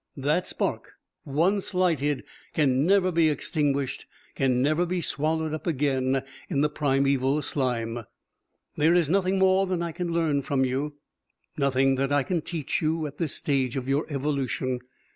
That spark, once lighted, can never be extinguished, can never be swallowed up again in the primeval slime. "There is nothing more that I can learn from you nothing that I can teach you at this stage of your evolution.